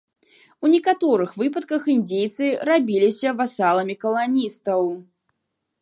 У некаторых выпадках індзейцы рабіліся васаламі каланістаў.